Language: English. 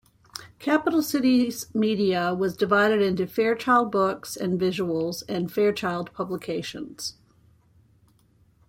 Capital Cities Media was divided into Fairchild Books and Visuals and Fairchild Publications.